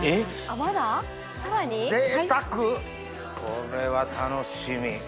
これは楽しみ。